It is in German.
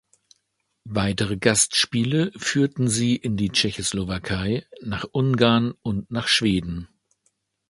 Weitere Gastspiele führten sie in die Tschechoslowakei, nach Ungarn und nach Schweden.